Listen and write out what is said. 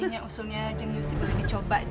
jeng deti kayaknya usulnya jeng yusif yang dicoba deh